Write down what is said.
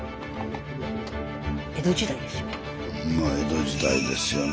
江戸時代ですよ。